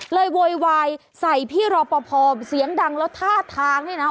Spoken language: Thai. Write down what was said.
โวยวายใส่พี่รอปภเสียงดังแล้วท่าทางนี่นะ